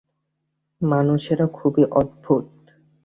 মানুষেরা খুব অদ্ভূত।